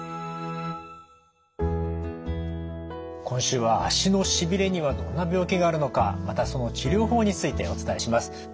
今週は足のしびれにはどんな病気があるのかまたその治療法についてお伝えします。